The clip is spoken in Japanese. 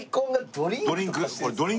ドリンク。